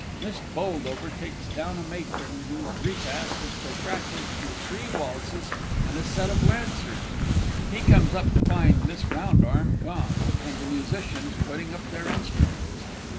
[Mr. B. takes down a Matron whose repast is protracted through three waltzes and a set of Lancers he comes up to find MISS ROUNDARM gone, and the Musicians putting up their instruments.